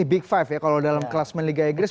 ini big five ya kalau dalam kelas meniga egris